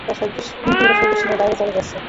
কিন্তু এটা সহ্যসীমার বাইরে চলে যাচ্ছে।